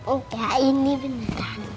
enggak ini beneran